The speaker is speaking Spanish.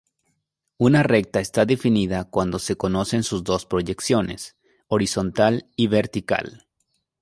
Una recta está definida cuando se conocen sus dos proyecciones, horizontal y vertical.